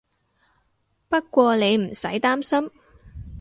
不過你唔使擔心